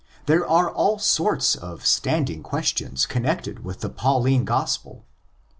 There are all sorts of standing questions connected with the Pauline Gospel.